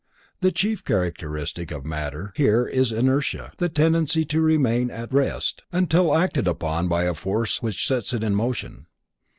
The chief characteristic of matter here is inertia: the tendency to remain at rest until acted upon by a force which sets it in motion.